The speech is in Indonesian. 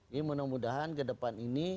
ini mudah mudahan ke depan ini